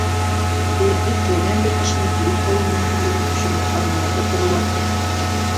Беҙҙе теләгән бер кешенең күреп ҡалыу мөмкинлеген төшөнөп, аҙымдарҙы ҡыҙыулаттыҡ.